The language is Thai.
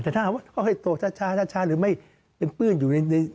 แต่ถ้าเขาให้โตช้าหรือไม่เป็นปื้นอยู่ใน